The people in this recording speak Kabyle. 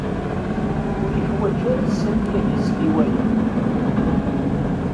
Ur yeḥwaǧ ara Sami ad isel i waya.